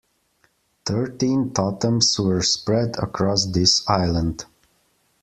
Thirteen totems were spread across this island.